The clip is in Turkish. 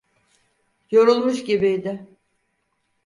Yorulmuş gibiydi.